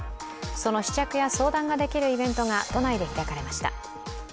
その試着や相談ができるイベントが都内で開かれました。